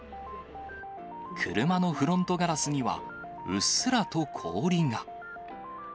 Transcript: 車のフロントガラスには、うっすらと氷が。